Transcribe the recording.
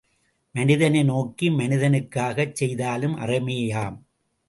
மனிதனை நோக்கி மனிதனுக்காகச் செய்தாலும் அறமேயாம்!